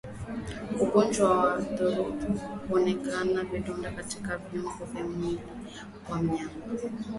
Ugonjwa wa ndorobo hauoneshi vidonda katika viungo vya mwili wa mnyama